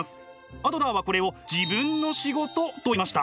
アドラーはこれを自分の仕事と言いました。